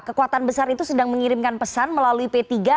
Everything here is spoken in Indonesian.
kekuatan besar itu sedang mengirimkan pesan melalui p tiga